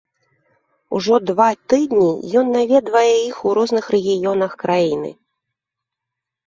Ужо два тыдні ён наведвае іх у розных рэгіёнах краіны.